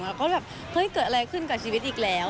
เพราะว่าแบบเกิดอะไรขึ้นกับชีวิตอีกแล้ว